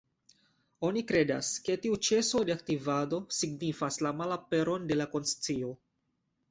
Oni kredas, ke tiu ĉeso de aktivado signifas la malaperon de la konscio.